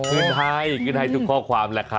ขึ้นให้ที่ไทยทุกข้อความแหละครับ